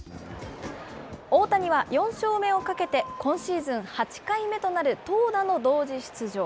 大谷は４勝目をかけて、今シーズン８回目となる投打の同時出場。